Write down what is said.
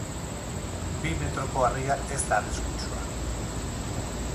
Bi metroko harria ez da arriskutsua.